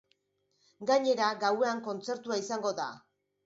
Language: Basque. Gainera, gauean kontzertua izango da.